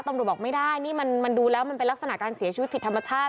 บอกไม่ได้นี่มันดูแล้วมันเป็นลักษณะการเสียชีวิตผิดธรรมชาติ